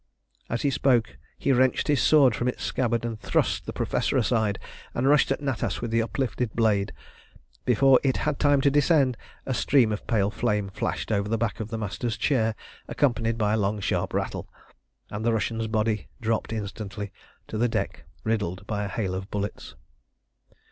As he spoke he wrenched his sword from its scabbard, thrust the Professor aside, and rushed at Natas with the uplifted blade. Before it had time to descend a stream of pale flame flashed over the back of the Master's chair, accompanied by a long, sharp rattle, and the Russian's body dropped instantly to the deck riddled by a hail of bullets.